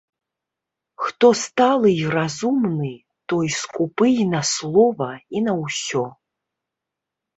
Хто сталы і разумны, той скупы і на слова, і на ўсё.